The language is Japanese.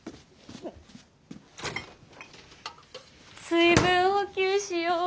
水分補給しよう。